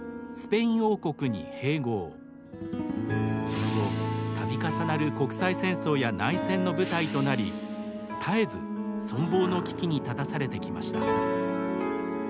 その後度重なる国際戦争や内戦の舞台となり絶えず存亡の危機に立たされてきました。